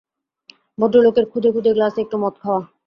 ভদ্রলোকের খুদে খুদে গ্লাসে একটু মদ খাওয়া।